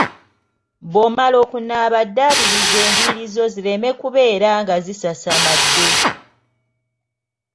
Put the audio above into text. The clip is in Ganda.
Bw'omala okunaaba ddaabiriza enviiri zo zireme kubeera nga zisasamadde.